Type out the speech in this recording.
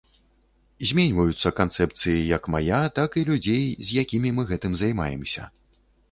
Зменьваюцца канцэпцыі як мая, так і людзей, з якімі мы гэтым займаемся.